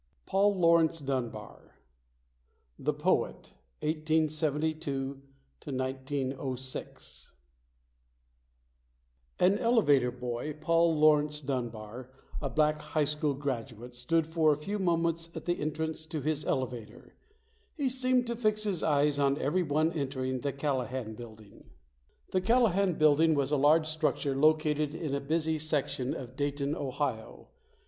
PAUL LAURENCE DUNBAR Chapter II PAUL LAURENCE DUNBAR THE POET 1872 1906 AN elevator boy Paul Laurence Dunbar a 1\ black high school graduate stood for a few moments at the entrance to his elevator. He seemed to fix his eyes on every one entering the Callahan Building. The Callahan Building was a large structure located in a busy section of Dayton, Ohio.